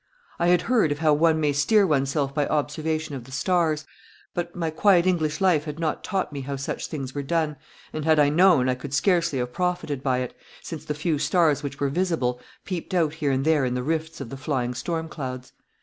I had heard of how one may steer oneself by observation of the stars, but my quiet English life had not taught me how such things were done, and had I known I could scarcely have profited by it, since the few stars which were visible peeped out here and there in the rifts of the flying storm clouds.